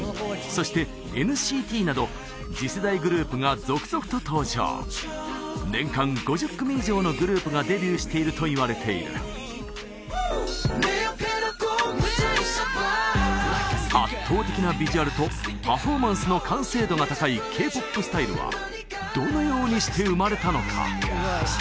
そしてＮＣＴなど次世代グループが続々と登場年間５０組以上のグループがデビューしているといわれている圧倒的なビジュアルとパフォーマンスの完成度が高いＫ−ＰＯＰスタイルはどのようにして生まれたのか？